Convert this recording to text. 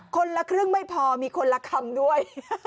คนละครึ่งไม่พอมีคนละคำด้วย